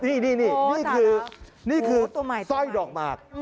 นี่นี่คือนี่คือสร้อยดอกหมาก